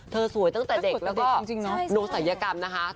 สวยตั้งแต่เด็กแล้วก็โนศัยกรรมนะคะ